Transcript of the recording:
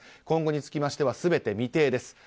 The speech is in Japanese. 今後につきましては全て未定です。